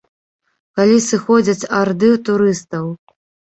Калі сыходзяць арды турыстаў.